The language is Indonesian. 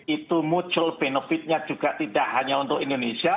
itu muncul benefitnya juga tidak hanya untuk indonesia